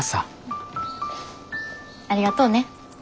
ありがとうね。